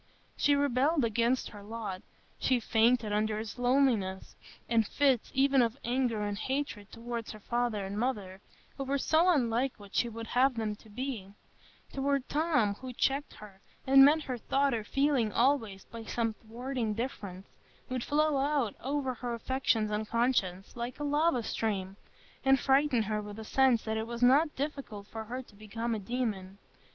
She rebelled against her lot, she fainted under its loneliness, and fits even of anger and hatred toward her father and mother, who were so unlike what she would have them to be; toward Tom, who checked her, and met her thought or feeling always by some thwarting difference,—would flow out over her affections and conscience like a lava stream, and frighten her with a sense that it was not difficult for her to become a demon.